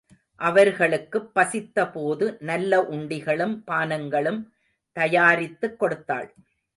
அவர்களுக்குப் பசித்தபோது நல்ல உண்டிகளும், பானங்களும் தயாரித்துக் கொடுத்தாள்.